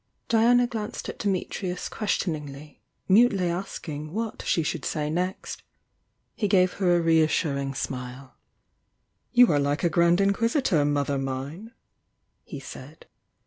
Diana glanced at Dimitrius questioningly, mutely askmg what she should say next. He gave her a reassuring smile. "You are like a Grand Inquisitor, mother mine!" ne said.